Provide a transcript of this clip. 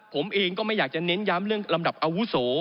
ผมเองก็ไม่อยากจะเน้นย้ำเรื่องลำดับอาวุโส